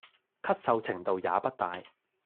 咳嗽程度也不大